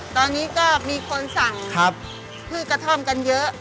ตอนนี้ก็มีคนสั่งพืชกระท่อมกันเยอะ